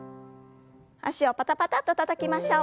脚をパタパタッとたたきましょう。